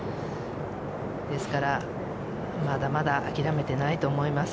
ですから、まだまだ諦めていないと思います。